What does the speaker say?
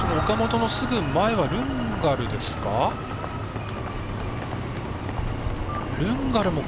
岡本のすぐ前はルンガル。